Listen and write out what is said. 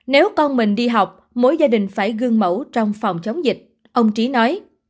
nếu con mình đi học mỗi gia đình phải gương mẫu trong phòng chống dịch ông trí nói